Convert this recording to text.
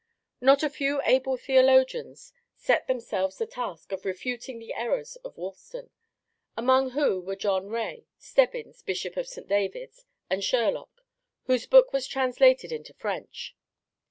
Not a few able theologians set themselves the task of refuting the errors of Woolston, amongst whom were John Ray, Stebbins, Bishop of St. Davids, and Sherlock, whose book was translated into French.